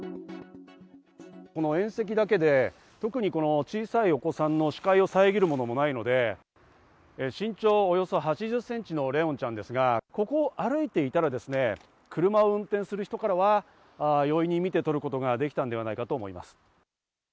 この縁石だけで特に小さいお子さんの視界を遮るものもないので、身長およそ８０センチの怜音ちゃんですが、ここを歩いていたら、車を運転する人からは容易に見て取ることができたんではないかと思います。